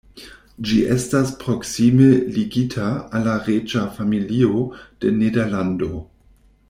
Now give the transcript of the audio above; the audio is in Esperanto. Ĝi estas proksime ligita al la reĝa familio de Nederlando.